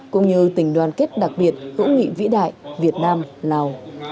cũng như tình đoàn kết đặc biệt hữu nghị vĩ đại việt nam lào